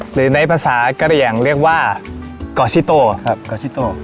หรือในภาษากะเหลี่ยงเรียกว่ากอชิโตครับกอชิโต